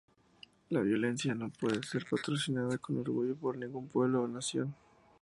La violencia no puede ser patrocinada con orgullo por ningún pueblo o nación.